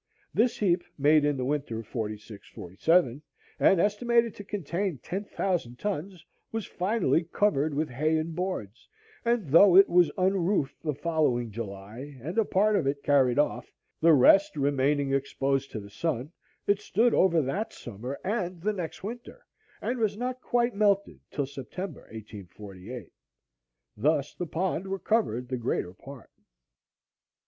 This heap, made in the winter of '46–7 and estimated to contain ten thousand tons, was finally covered with hay and boards; and though it was unroofed the following July, and a part of it carried off, the rest remaining exposed to the sun, it stood over that summer and the next winter, and was not quite melted till September 1848. Thus the pond recovered the greater part.